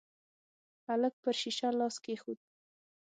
هلک پر شيشه لاس کېښود.